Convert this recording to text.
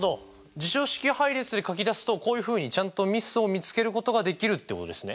辞書式配列で書き出すとこういうふうにちゃんとミスを見つけることができるってことですね。